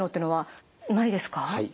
はい。